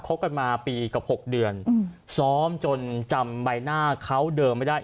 กันมาปีกับ๖เดือนซ้อมจนจำใบหน้าเขาเดิมไม่ได้